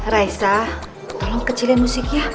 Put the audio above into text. raisa tolong kecilin musiknya